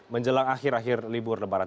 menjelang akhir akhir libur lebaran